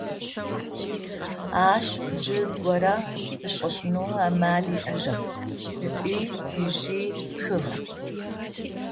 Ащ джы зыгорэ ышӏэшъунэу амал иӏэжьэп, ыӏи, ыжи пхыгъэ.